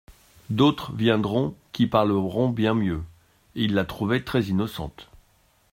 D'autres viendront qui parleront bien mieux.» Il la trouva très-innocente.